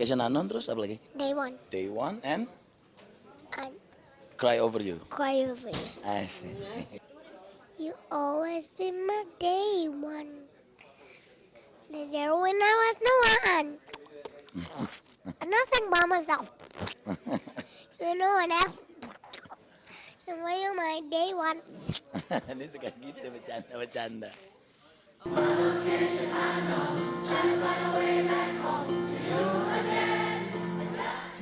akhirnya harus berbesar hati karena gagal menyanyi bersama hon di atas panggung